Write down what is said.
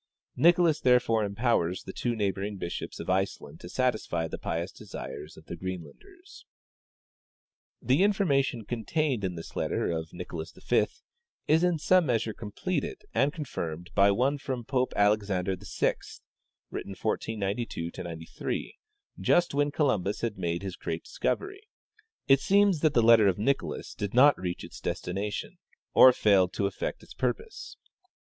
Nicolas therefore empowers the two neighboring bishops of Iceland to satisfy the j)ious desires of the Greenlanders. "The information contained in this letter of Nicolas V is in some measure completed and confirmed by one from Pope Alexander VI, written 1492 '93, just when Columbus had made his great discovery. It seems that the letter of Nicolas did not reach its destination, or failed to effect its purpose.